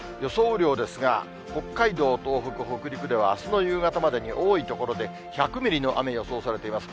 雨量ですが、北海道、東北、北陸では、あすの夕方までに多い所で１００ミリの雨、予想されています。